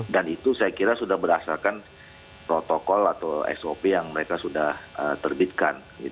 dan itu saya kira sudah berdasarkan protokol atau sop yang mereka sudah terbitkan